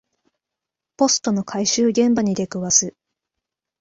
ポストの回収現場に出くわす